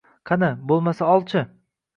Qani, bo‘lmasa ol-chi